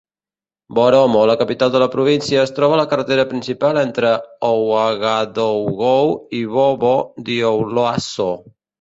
Boromo, la capital de la província, es troba a la carretera principal entre Ouagadougou i Bobo-Dioulasso.